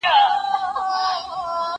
نې پخپله خوري، نې بل چا ته ورکوي.